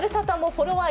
フォロワー！